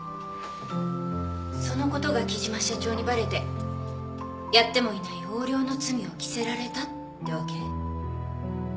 その事が貴島社長にバレてやってもいない横領の罪を着せられたってわけ？